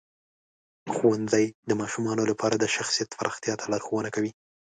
ښوونځی د ماشومانو لپاره د شخصیت پراختیا ته لارښوونه کوي.